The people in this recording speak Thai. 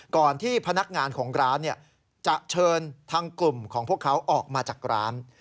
ก่อนที่พนักงานของร้านจะเชิญทางกลุ่มของพวกเขาออกมาจากร้าน